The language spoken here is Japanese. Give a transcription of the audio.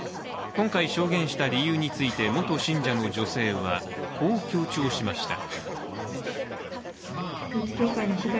今回、証言した理由について元信者の女性は、こう強調しました。